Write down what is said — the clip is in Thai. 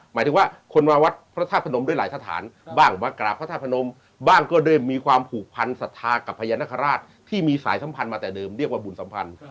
หมายถึงว่าคนมาวัดพระธาตุพนมด้วยหลายสถานบ้างมากราบพระธาตุพนมบ้างก็ได้มีความผูกพันศรัทธากับพญานาคาราชที่มีสายสัมพันธ์มาแต่เดิมเรียกว่าบุญสัมพันธ์